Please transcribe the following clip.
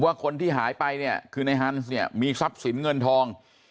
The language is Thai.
ว่าคนที่หายไปเนี่ยคือในฮันส์เนี่ยมีทรัพย์สินเงินทอง